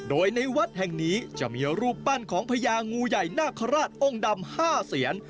โดยในวัดแห่งนี้จะมีรูปปั้นของพญางูใหญ่นาคาราชองค์ดำ๕เสียน